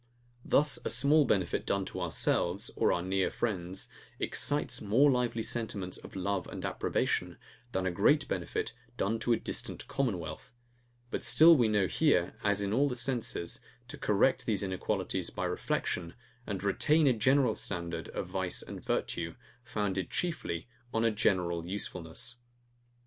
Thus a small benefit done to ourselves, or our near friends, excites more lively sentiments of love and approbation than a great benefit done to a distant commonwealth: But still we know here, as in all the senses, to correct these inequalities by reflection, and retain a general standard of vice and virtue, founded chiefly on a general usefulness.